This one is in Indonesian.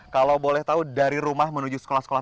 kalau boleh tahu dari rumah menuju sekolah sekolah